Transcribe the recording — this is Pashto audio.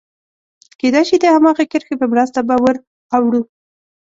کېدای شي د هماغې کرښې په مرسته به ور اوړو.